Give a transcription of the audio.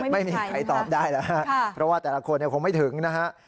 ไม่มีใครตอบได้แล้วครับเพราะว่าแต่ละคนคงไม่ถึงนะฮะ